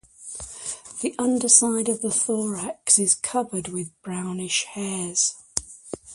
The underside of the thorax is covered with brownish hairs.